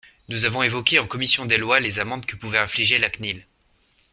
Nous avons évoqué en commission des lois les amendes que pouvait infliger la CNIL.